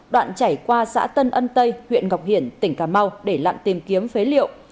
đoạn chảy qua xã tân ân tây huyện ngọc hiển tỉnh cà mau để lặn tìm kiếm phế liệu